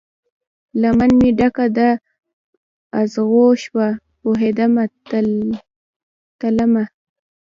لمن مې ډکه د اغزو شوه، پوهیدمه تلمه